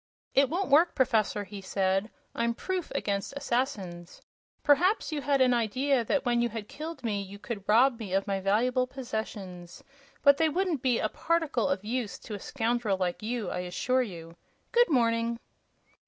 "It won't work, Professor," he said. "I'm proof against assassins. Perhaps you had an idea that when you had killed me you could rob me of my valuable possessions; but they wouldn't be a particle of use to a scoundrel like you, I assure you! Good morning."